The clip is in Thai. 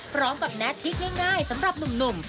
พร้อมกับแนตคลิกง่ายสำหรับหนุ่ม